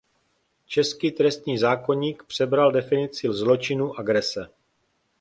Český trestní zákoník přebral definici zločinu agrese.